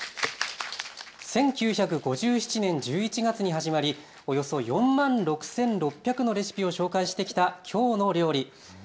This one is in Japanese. １９５７年１１月に始まりおよそ４万６６００のレシピを紹介してきたきょうの料理。